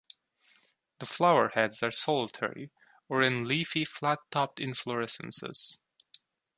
The flower heads are solitary or in leafy flat-topped inflorescences.